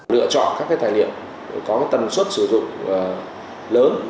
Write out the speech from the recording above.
lựa chọn các tài liệu có tần suất sử dụng lớn